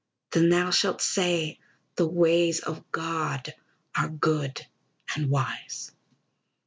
Then thou shalt say, _The ways of God are good and wise.